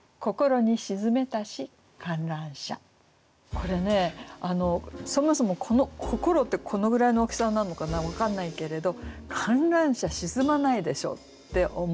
これねそもそもこころってこのぐらいの大きさになんのかな分かんないけれど観覧車沈まないでしょって思う大きさですよね。